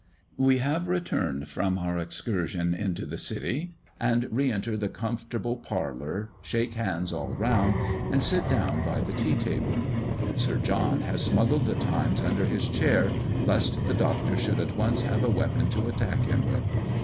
We have returned from our excursion into the city, and reenter the comfortable parlour, shake hands all round, and sit down by the tea table. Sir John has smuggled the Times under his chair, lest the Doctor should at once have a weapon to attack him with.